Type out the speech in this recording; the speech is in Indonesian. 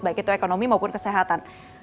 baik itu ekonomi maupun kesehatan